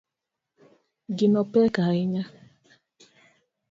Gino pek ahinya